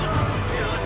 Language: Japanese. よし！！